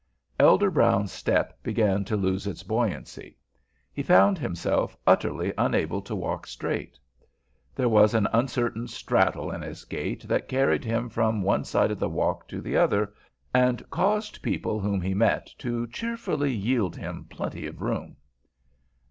Elder Brown's step began to lose its buoyancy. He found himself utterly unable to walk straight. There was an uncertain straddle in his gait that carried him from one side of the walk to the other, and caused people whom he met to cheerfully yield him plenty of room.